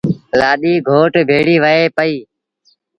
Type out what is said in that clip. لآڏيٚ گھوٽ ڀيڙيٚ وهي پئيٚ۔